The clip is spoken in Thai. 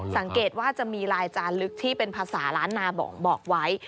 สังเกตว่าจะมีลายจานลึกที่เป็นภาษาล้านนาบอกไว้